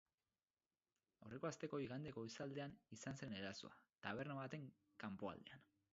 Aurreko asteko igande goizaldean izan zen erasoa, taberna baten kanpoaldean.